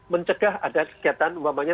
mencegah ada kegiatan umpamanya